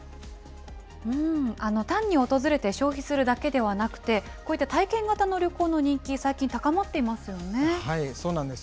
単に訪れて消費するだけではなくて、こういった体験型の旅行の人気、そうなんです。